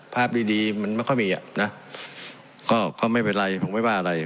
ภาพดีดีมันไม่ค่อยมีอ่ะนะก็ไม่เป็นไรผมไม่ว่าอะไร